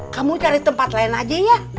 kamu cari tempat lain aja ya